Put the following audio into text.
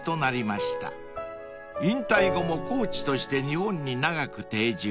［引退後もコーチとして日本に長く定住］